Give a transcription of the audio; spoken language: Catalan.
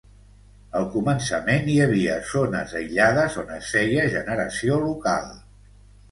Al començament hi havia zones aïllades on es feia generació local.